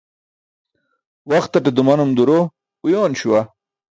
Waxtate dumanum duro uyoon śuwa